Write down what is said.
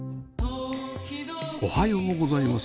おはようございます。